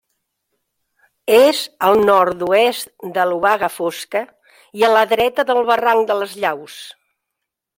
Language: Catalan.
És al nord-oest de l'Obaga Fosca i a la dreta del barranc de les Llaus.